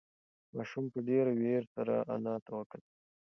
ماشوم په ډېرې وېرې سره انا ته کتل.